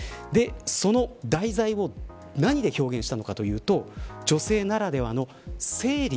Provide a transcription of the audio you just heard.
その題材を何で表現したのかというと女性ならではの生理。